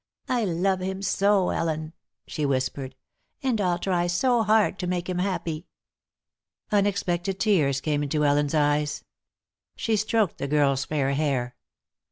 "I love him so, Ellen," she whispered, "and I'll try so hard to make him happy." Unexpected tears came into Ellen's eyes. She stroked the girl's fair hair.